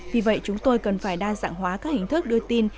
vì vậy chúng tôi cần phải đa dạng hóa các hình thức đưa tin